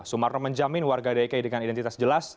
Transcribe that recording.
sumarno menjamin warga dki dengan identitas jelas